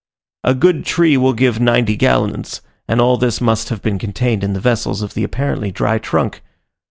A good tree will give ninety gallons, and all this must have been contained in the vessels of the apparently dry trunk.